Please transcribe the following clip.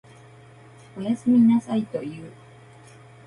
おやすみなさいと言う。